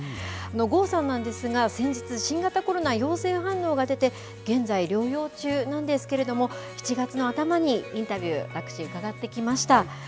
郷さんなんですが、先日、新型コロナ陽性反応が出て、現在療養中なんですけれども、７月の頭にインタビュー、私伺ってきました。